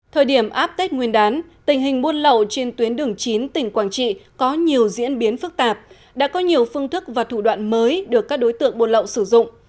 thời điểm áp tết nguyên đán tình hình buôn lậu trên tuyến đường chín tỉnh quảng trị có nhiều diễn biến phức tạp đã có nhiều phương thức và thủ đoạn mới được các đối tượng buôn lậu sử dụng